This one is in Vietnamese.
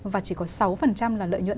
và chỉ có sáu là lợi nhuận